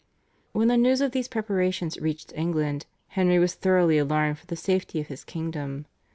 When the news of these preparations reached England Henry was thoroughly alarmed for the safety of his kingdom.